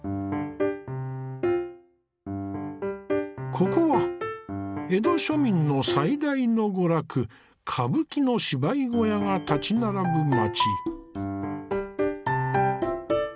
ここは江戸庶民の最大の娯楽歌舞伎の芝居小屋が立ち並ぶ街。